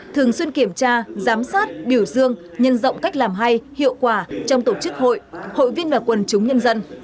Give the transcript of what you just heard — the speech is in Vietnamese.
thường xuyên kiểm tra giám sát biểu dương nhân rộng cách làm hay hiệu quả trong tổ chức hội hội viên và quần chúng nhân dân